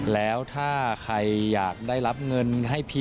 แล้วถ้าใครอยากได้รับเงินให้พี่